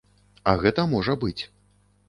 А гэта можа быць.